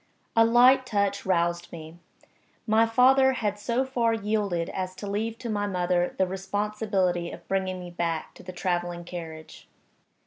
A light touch roused me. My father had so far yielded as to leave to my mother the responsibility of bringing me back to the traveling carriage.